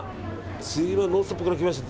「ノンストップ！」から来ました